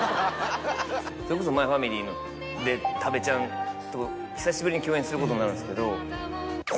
それこそ『マイファミリー』で多部ちゃんと久しぶりに共演することになるんですけど。